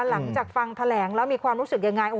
หลังจากฟังแถลงแล้วมีความรู้สึกยังไง